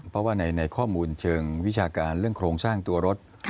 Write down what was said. เพราะว่าในข้อมูลเชิงวิชาการเรื่องโครงสร้างตัวรถ